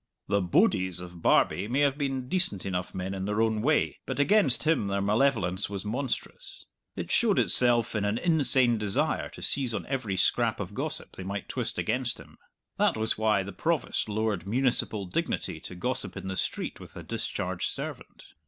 The "bodies" of Barbie may have been decent enough men in their own way, but against him their malevolence was monstrous. It showed itself in an insane desire to seize on every scrap of gossip they might twist against him. That was why the Provost lowered municipal dignity to gossip in the street with a discharged servant.